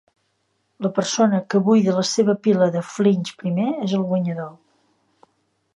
La persona que buida la seva pila de Flinch primer és el guanyador.